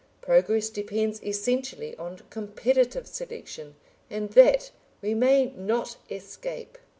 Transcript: Progress depends essentially on competitive selection, and that we may not escape.